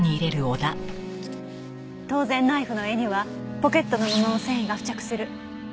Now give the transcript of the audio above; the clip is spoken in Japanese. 当然ナイフの柄にはポケットの布の繊維が付着する。